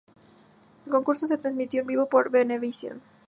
El concurso se transmitió en vivo por Venevisión.